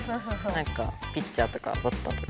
なんかピッチャーとかバッターとか。